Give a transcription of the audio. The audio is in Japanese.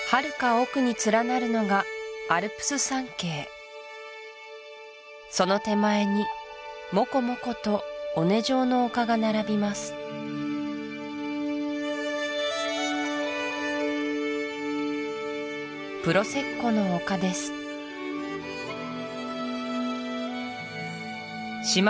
奥に連なるのがアルプス山系その手前にモコモコと尾根状の丘が並びますプロセッコの丘ですしま